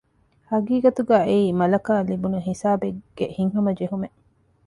ޙަޤީޤަތުގައި އެއީ މަލަކާއަށް ލިބުނު ހިސާބެއްގެ ހިތްހަމަޖެހުމެއް